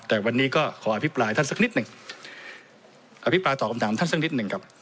แต่วันนี้ก็ขออภิปรายท่านสักนิดหนึ่งอภิปรายตอบคำถามท่านสักนิดหนึ่งครับ